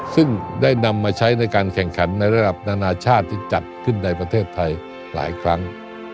ซึ่งได้นำมาใช้ในการแข่งขันในระดับนานาชาติที่จัดขึ้นในประเทศไทยหลายครั้ง